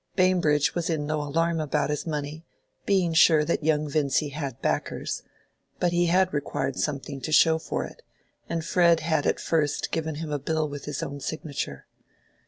Bambridge was in no alarm about his money, being sure that young Vincy had backers; but he had required something to show for it, and Fred had at first given a bill with his own signature.